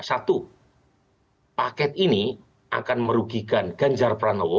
satu paket ini akan merugikan ganjar pranowo